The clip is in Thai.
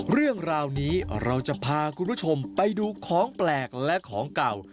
เรื่องราวนี้เราจะพาคุณผู้ชมไปดูของแปลกและของเก่า